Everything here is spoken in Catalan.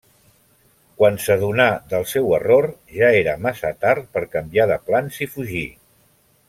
Quan s'adonà del seu error ja era massa tard per canviar de plans i fugir.